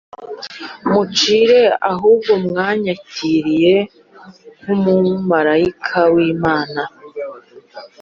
mucire ahubwo mwanyakiriye nk umumarayikai w Imana